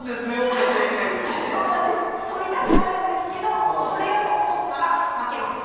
取りたくなるんですけどこれを取ったら負けます。